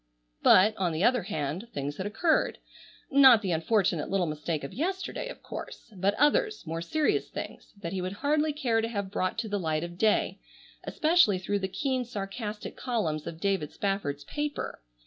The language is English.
But, on the other hand, things had occurred—not the unfortunate little mistake of yesterday, of course, but others, more serious things—that he would hardly care to have brought to the light of day, especially through the keen sarcastic columns of David Spafford's paper.